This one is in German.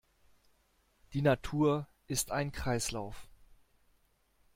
Die Natur ist ein Kreislauf.